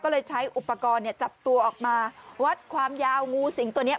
ก็เลยใช้อุปกรณ์เนี่ยจับตัวออกมาวัดความยาวงูสิงตัวนี้